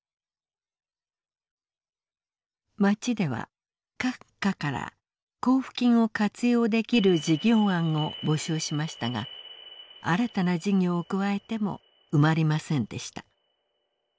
町では各課から交付金を活用できる事業案を募集しましたが新たな事業を加えても埋まりませんでした。